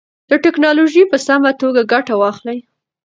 له ټکنالوژۍ په سمه توګه ګټه واخلئ.